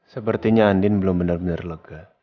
sepertinya andin belum benar benar lega